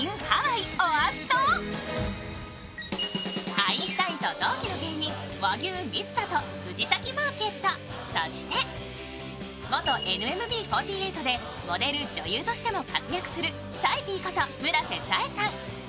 アインシュタインと同期の芸人和牛・水田と藤崎マーケット、そして、元ＮＭＢ４８でモデル、女優としても活躍するさえぴぃこと村瀬紗英さん。